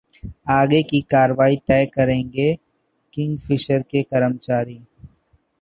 आगे की कार्रवाई तय करेंगे किंगफिशर के कर्मचारी